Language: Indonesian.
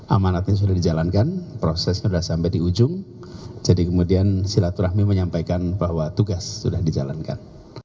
amanatnya sudah dijalankan prosesnya sudah sampai di ujung jadi kemudian silaturahmi menyampaikan bahwa tugas sudah dijalankan